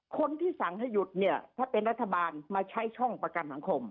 คนที่สั่งให้หยุดเนี่ยถ้าเป็นรัฐบาลมาใช้ช่องประกันสังคม